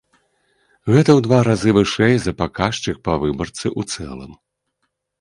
Гэта ў два разы вышэй за паказчык па выбарцы ў цэлым.